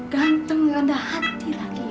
ganteng rendah hati lagi ibu